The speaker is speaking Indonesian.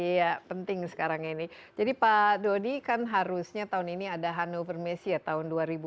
iya penting sekarang ini jadi pak dodi kan harusnya tahun ini ada hannover messe ya tahun dua ribu dua puluh